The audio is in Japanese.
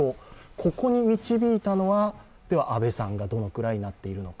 ここに導いたのは、安倍さんがどのぐらい担っているのか。